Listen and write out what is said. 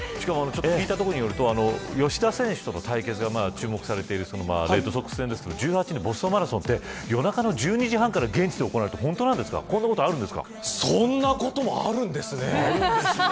聞いたところによると吉田選手との対決が注目されているレッドソックス戦ですけどボストンマラソンが現地で行われるってそんなこともあるんですね。